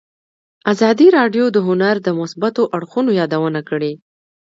ازادي راډیو د هنر د مثبتو اړخونو یادونه کړې.